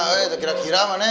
eh terkira kira kan neng